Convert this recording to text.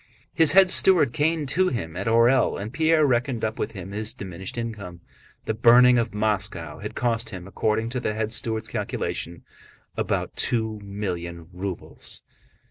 His head steward came to him at Orël and Pierre reckoned up with him his diminished income. The burning of Moscow had cost him, according to the head steward's calculation, about two million rubles.